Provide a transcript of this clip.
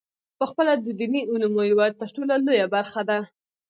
پخپله د دیني علومو یوه ترټولو لویه برخه ده.